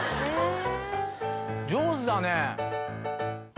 上手だね。